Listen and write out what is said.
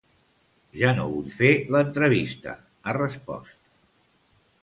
Ja no vull fer l’entrevista, ha respost.